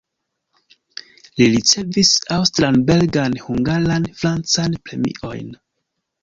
Li ricevis aŭstran, belgan, hungaran, francan premiojn.